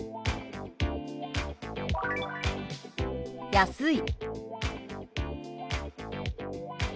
「安い」。